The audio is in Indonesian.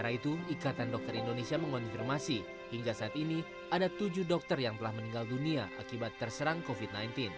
sementara itu ikatan dokter indonesia mengonfirmasi hingga saat ini ada tujuh dokter yang telah meninggal dunia akibat terserang covid sembilan belas